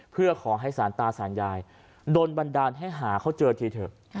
เพื่อขอให้สารตาสารยายโดนบันดาลให้หาเขาเจอทีเถอะ